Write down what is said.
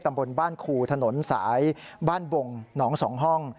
ตำบลบ้านครูถนนสายบ้านบงหนอง๒ห้อง